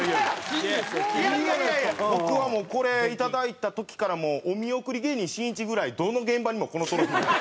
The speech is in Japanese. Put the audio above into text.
僕はもうこれいただいた時からお見送り芸人しんいちぐらいどの現場にもこのトロフィー持って。